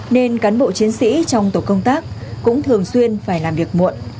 nên cán bộ chiến sĩ trong tổ công tác cũng thường xuyên phải làm việc muộn